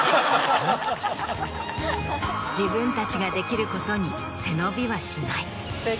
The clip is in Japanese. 自分たちができることに背伸びはしない。